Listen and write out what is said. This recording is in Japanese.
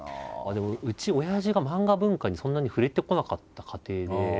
でもうち親父が漫画文化にそんなに触れてこなかった家庭で。